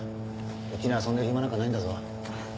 うちには遊んでる暇なんかないんだぞ。